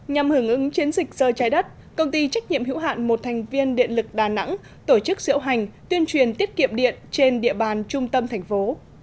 nhằm hưởng ứng chiến dịch giờ trái đất công ty trách nhiệm hữu hạn một thành viên điện lực đà nẵng tổ chức diễu hành tuyên truyền tiết kiệm điện trên địa bàn trung tâm thành phố